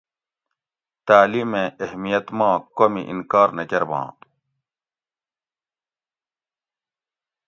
تعلیمیں اہمیت ما کومی انکار نہ کٞرباں